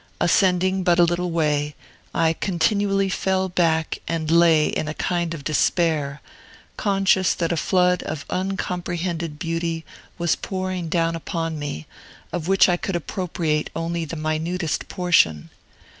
Ascending but a little way, I continually fell back and lay in a kind of despair, conscious that a flood of uncomprehended beauty was pouring down upon me, of which I could appropriate only the minutest portion.